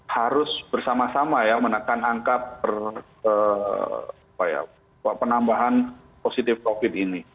harus bersama sama ya menekan angka penambahan positif covid ini